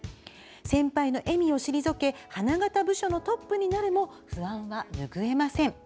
先輩の江見を退け花形部署のトップになるも不安はぬぐえません。